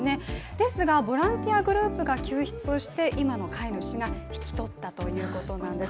ですが、ボランティアグループが救出して今の飼い主が引き取ったということなんです。